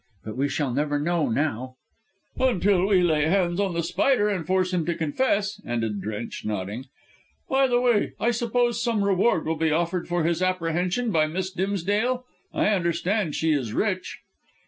But we shall never know now " "Until we lay hands on The Spider and force him to confess," ended Drench, nodding. "By the way, I suppose some reward will be offered for his apprehension by Miss Dimsdale? I understand she is rich."